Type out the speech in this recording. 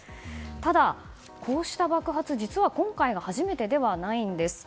ただ、こうした爆発実は今回が初めてではないんです。